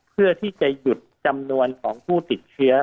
เพื่อที่จะหยุดจำนวนของผู้ติดเชื้อ